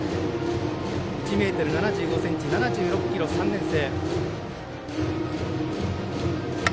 １ｍ７５ｃｍ７６ｋｇ、３年生。